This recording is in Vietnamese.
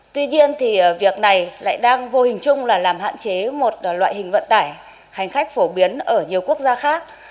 tuy nhiên thì việc này lại đang vô hình chung là làm hạn chế một loại hình vận tải hành khách phổ biến ở nhiều quốc gia khác